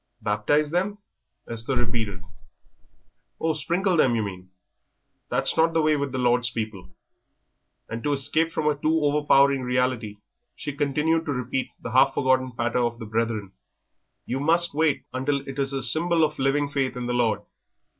"Baptise them?" Esther repeated. "Oh, sprinkle them, you mean. That's not the way with the Lord's people;" and to escape from a too overpowering reality she continued to repeat the half forgotten patter of the Brethren, "You must wait until it is a symbol of living faith in the Lord!"